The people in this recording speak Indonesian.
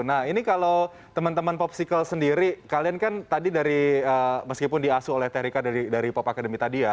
nah ini kalau teman teman popsicle sendiri kalian kan tadi dari meskipun diasuh oleh terika dari pop academy tadi ya